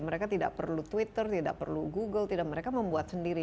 mereka tidak perlu twitter tidak perlu google tidak mereka membuat sendiri